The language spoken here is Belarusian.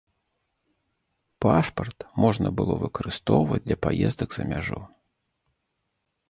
Пашпарт можна было выкарыстоўваць для паездак за мяжу.